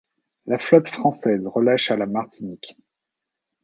La flotte française relâche à la Martinique.